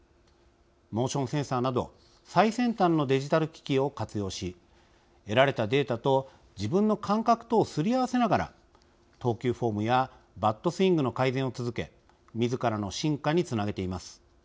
モーションセンサーなど最先端のデジタル機器を活用し得られたデータと自分の感覚とをすり合わせながら投球フォームやバットスイングの改善を続け自らの進化につなげています。